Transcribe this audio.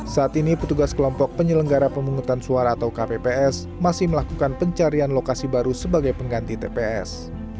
saat ini petugas kelompok penyelenggara pemungutan suara atau kpps masih melakukan pencarian lokasi baru sebagai pengganti tps